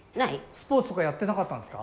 スポーツとかやってなかったんですか？